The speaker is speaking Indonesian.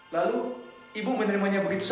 lalu ibu menerimanya begitu saja